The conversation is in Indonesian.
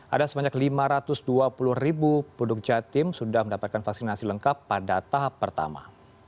ada sebanyak lima ratus dua puluh ribu penduduk jatim sudah mendapatkan vaksinasi lengkap pada tahap pertama